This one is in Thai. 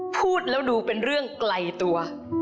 พูดแล้วดูเป็นเรื่องไกลตัว